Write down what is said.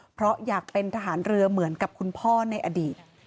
เพราะอยากเป็นทหารเรือเหมือนกับคุณพ่อในอดีต